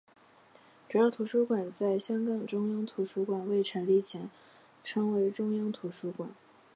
主要图书馆在香港中央图书馆未成立前称为中央图书馆。